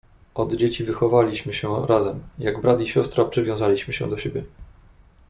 "Od dzieci wychowaliśmy się razem, jak brat i siostra przywiązaliśmy się do siebie."